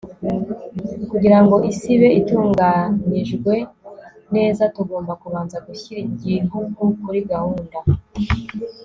kugira ngo isi ibe itunganijwe neza, tugomba kubanza gushyira igihugu kuri gahunda